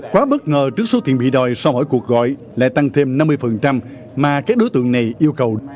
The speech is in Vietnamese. quá bất ngờ trước số tiền bị đòi sau mỗi cuộc gọi lại tăng thêm năm mươi mà các đối tượng này yêu cầu